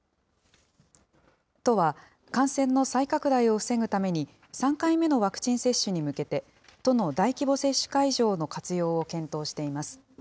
都は、感染の再拡大を防ぐために、３回目のワクチン接種に向けて、都の大規模接種会場の活用を検討しています。